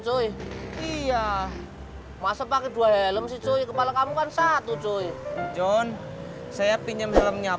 cuy iya masa pakai dua helm sih cuy kepala kamu kan satu cuy john saya pinjam helmnya